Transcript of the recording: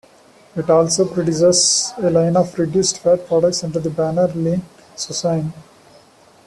It also produces a line of reduced-fat products under the banner Lean Cuisine.